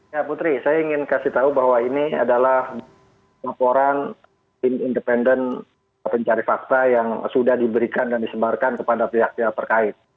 ya putri saya ingin kasih tahu bahwa ini adalah laporan tim independen pencari fakta yang sudah diberikan dan disebarkan kepada pihak pihak terkait